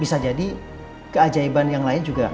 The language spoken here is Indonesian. bisa jadi keajaiban yang lain juga